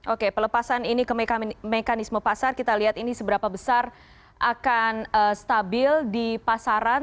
oke pelepasan ini ke mekanisme pasar kita lihat ini seberapa besar akan stabil di pasaran